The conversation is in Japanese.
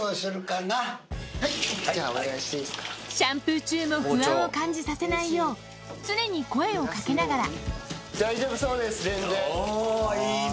シャンプー中も不安を感じさせないよう常に声をかけながらおぉいいね。